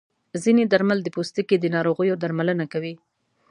ځینې درمل د پوستکي د ناروغیو درملنه کوي.